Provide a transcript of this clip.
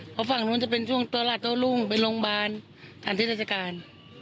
เพราะฝั่งนู้นจะเป็นช่วงตัวหลัดตัวรุ่งเป็นโรงพยาบาลทางทฤษฐรรยากาศ